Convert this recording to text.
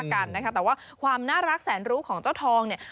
กันนะคะแต่ว่าความน่ารักแสนรู้ของเจ้าทองเนี่ย